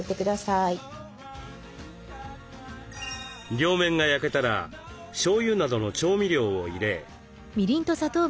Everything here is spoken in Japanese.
両面が焼けたらしょうゆなどの調味料を入れ。